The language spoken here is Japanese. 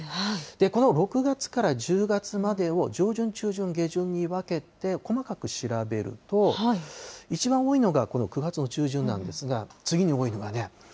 この６月から１０月までを、上旬中旬下旬に分けて細かく調べると、一番多いのがこの９月の中旬なんですが、次に多いのがね。